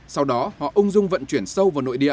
sau đó họ ung dung vận chuyển sâu vào nội địa